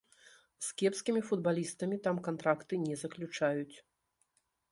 З кепскімі футбалістамі там кантракты не заключаюць.